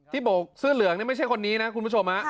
โบกเสื้อเหลืองนี่ไม่ใช่คนนี้นะคุณผู้ชม